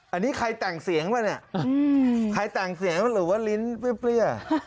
อันนี้ใครแต่งเสียงหรือว่าลิ้นเปรี้ยว